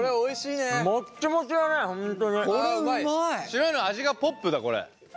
白いの味がポップだこれ。